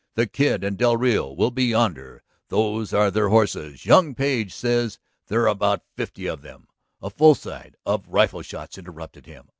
"The Kid and del Rio will be yonder; those are their horses. Young Page says there are about fifty of them." A fusillade of rifle shots interrupted him.